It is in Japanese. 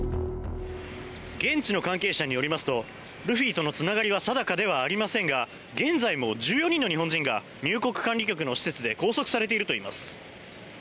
現地の関係者によりますとルフィとのつながりは定かではありませんが現在も１４人の日本人が入国管理局の施設で拘束されているといいます。